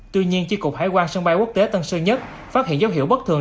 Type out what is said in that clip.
tuy nhiên chiếc cục hải quan sân bay quốc tế tân sơn nhất phát hiện dấu hiệu bất thường